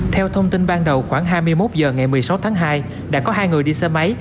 theo thông tin ban đầu khoảng hai mươi một h ngày một mươi sáu tháng hai đã có hai người đi xe máy